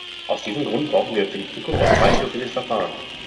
Aus diesem Grund brauchen wir für die Zukunft ein zweistufiges Verfahren.